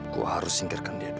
aku harus singkirkan dia dulu